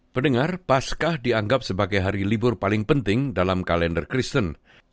pendengar paskah dianggap sebagai hari libur paling penting dalam kalender kristen